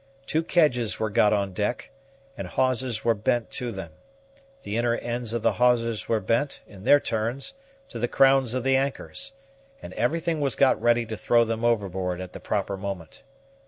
Two kedges were got on deck, and hawsers were bent to them; the inner ends of the hawsers were bent, in their turns, to the crowns of the anchors, and everything was got ready to throw them overboard at the proper moment.